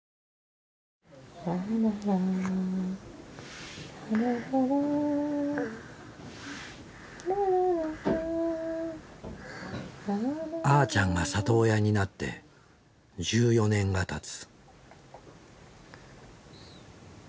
ラララララララあーちゃんが里親になって１４年がたつ。